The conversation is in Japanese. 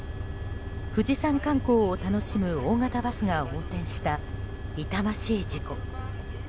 富士山観光を楽しむ大型バスが横転した痛ましい事故。